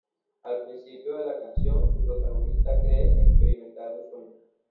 Al principio de la canción, su protagonista cree experimentar un sueño.